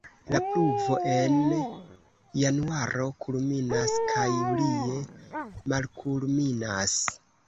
La pluvo en januaro kulminas kaj julie malkulminas.